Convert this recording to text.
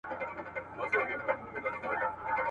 سړي وویل زما هغه ورځ یادیږي ..